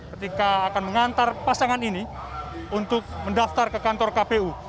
ketika akan mengantar pasangan ini untuk mendaftar ke kantor kpu